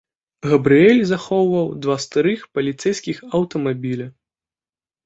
Габрыэль захоўваў два старых паліцэйскіх аўтамабіля.